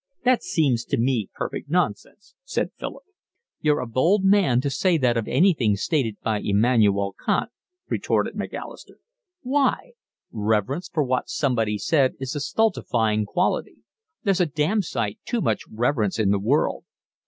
"That seems to me perfect nonsense," said Philip. "You're a bold man to say that of anything stated by Immanuel Kant," retorted Macalister. "Why? Reverence for what somebody said is a stultifying quality: there's a damned sight too much reverence in the world.